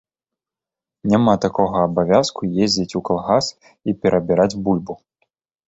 Няма такога абавязку ездзіць ў калгас і перабіраць бульбу.